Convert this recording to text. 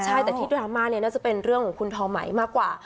ใช่แต่ที่ดราม่าเนี่ยน่าจะเป็นเรื่องของคุณทอไหมมากกว่า